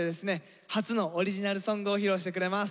初のオリジナルソングを披露してくれます。